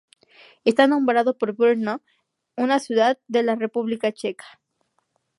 Está nombrado por Brno, una ciudad de la República Checa.